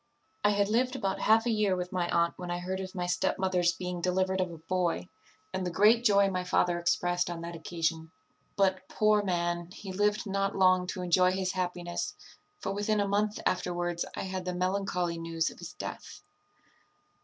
"I had lived about half a year with my aunt when I heard of my stepmother's being delivered of a boy, and the great joy my father expressed on that occasion; but, poor man, he lived not long to enjoy his happiness; for within a month afterwards I had the melancholy news of his death.